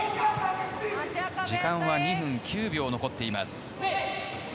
時間は２分９秒残っています。